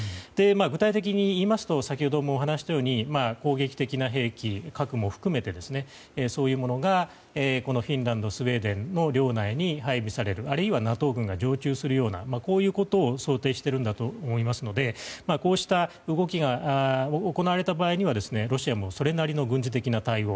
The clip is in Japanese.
具体的に言いますと先ほどもお話をしたように攻撃的な兵器、核も含めてそういうものがフィンランドスウェーデンの領内に配備される、あるいはＮＡＴＯ軍が常駐するようなこういうことを想定していると思いますのでこうした動きが行われた場合にはロシアもそれなりの軍事的な対応